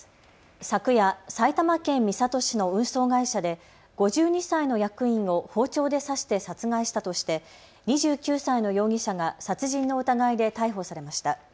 昨夜、埼玉県三郷市の運送会社で５２歳の役員を包丁で刺して殺害したとして２９歳の容疑者が殺人の疑いで逮捕されました。